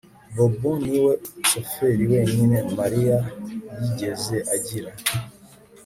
Bobo niwe shoferi wenyine Mariya yigeze agira